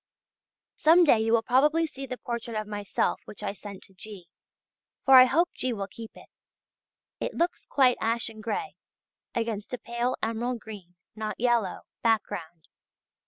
Some day you will probably see the portrait of myself which I sent to G., for I hope G. will keep it: it looks quite ashen grey against a pale emerald green (not yellow) background.